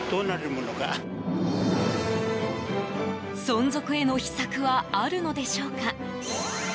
存続への秘策はあるのでしょうか。